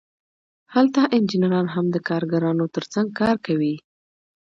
هلته انجینران هم د کارګرانو ترڅنګ کار کوي